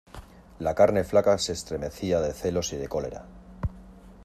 la carne flaca se estremecía de celos y de cólera.